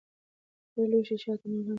تړلی لوښی شات نور هم ساتي.